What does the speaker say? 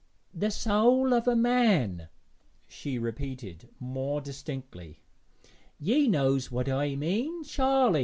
'The soäl o' a man,' she repeated more distinctly, 'ye knows what I mean surely?'